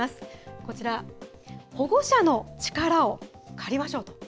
こちら、保護者の力を借りましょうと。